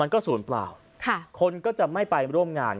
ก็ศูนย์เปล่าคนก็จะไม่ไปร่วมงาน